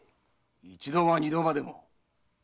一度が二度までも。